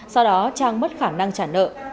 sau đó trang mất khả năng trả nợ